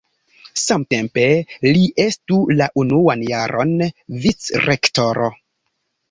Samtempe li estu la unuan jaron vicrektoro.